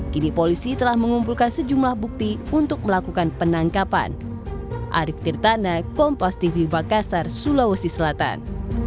kini polisi telah mengumpulkan sejumlah bukti untuk melakukan penangkapan